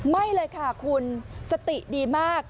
ไม่เลยค่ะคุณสติดีมาก